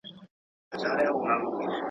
چي د جنګ پر نغارو باندي بل اور سو.